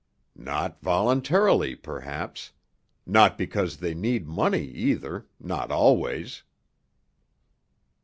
"Not voluntarily, perhaps. Not because they need money, either—not always."